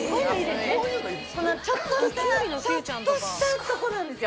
ちょっとしたちょっとしたとこなんですよ。